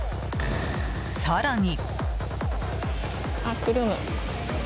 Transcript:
更に。